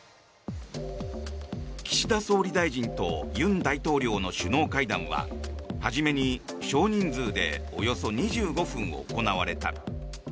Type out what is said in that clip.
岸田総理大臣と尹大統領の首脳会談は初めに少人数でおよそ２５分行われた。